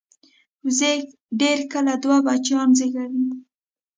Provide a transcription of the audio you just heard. وزې ډېر کله دوه بچیان زېږوي